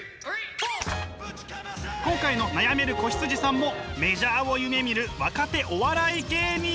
今回の悩める子羊さんもメジャーを夢みる若手お笑い芸人。